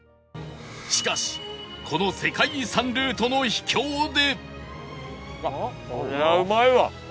しかしこの世界遺産ルートの秘境で